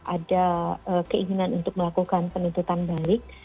ada keinginan untuk melakukan penuntutan balik